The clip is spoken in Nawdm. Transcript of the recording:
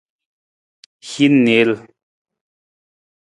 Hin niil.